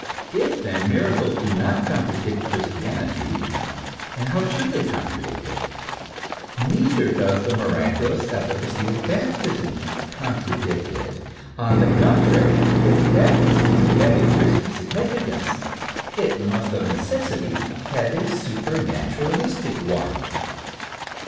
If then miracles do not contra dict Christianity, and how should they contradict it ? neither does the miraculous efficacy of baptism contradict it. On the contrary, if baptism is to have a Christian significance it must of necessity have a supernaturalistic one.